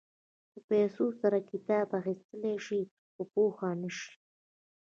په پیسو سره کتاب اخيستلی شې خو پوهه نه شې.